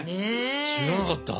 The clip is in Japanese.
知らなかった。